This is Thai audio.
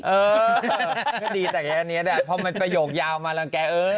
เออก็ดีแต่แกนี้นี้เนี่ยแหละเพราะมันประโยคยาวมาแล้วแกเออ